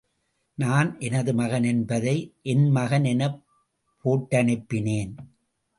நான், எனது மகன் என்பதை என் மகன் எனப் போட்டனுப்பினேன்.